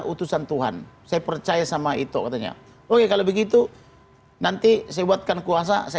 utusan tuhan saya percaya sama itu katanya oke kalau begitu nanti saya buatkan kuasa saya